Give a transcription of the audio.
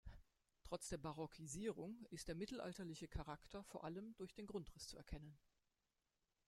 Trotz der Barockisierung ist der mittelalterliche Charakter vor allem durch den Grundriss zu erkennen.